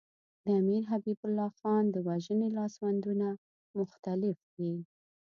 د امیر حبیب الله خان د وژنې لاسوندونه مختلف دي.